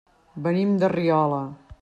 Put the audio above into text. Venim de Riola.